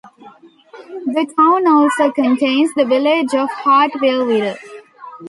The town also contains the village of Hartwellville.